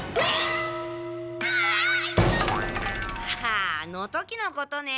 あああの時のことね。